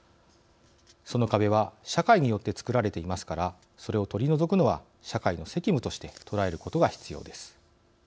その壁は社会によって作られていますからそれを取り除くのは社会の責務として捉えることが必要です。